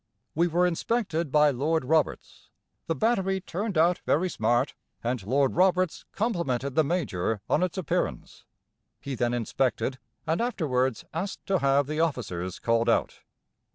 We were inspected by Lord Roberts. The battery turned out very smart, and Lord Roberts complimented the Major on its appearance. He then inspected, and afterwards asked to have the officers called out.